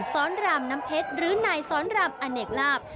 สอนรามน้ำเพชรหรือนายสอนรามอเนกลาบ